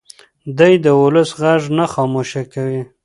دی د ولس غږ نه خاموشه کوي.